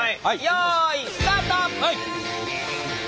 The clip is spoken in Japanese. よいスタート！